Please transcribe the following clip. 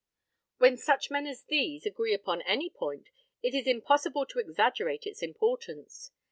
When such men as these agree upon any point, it is impossible to exaggerate its importance.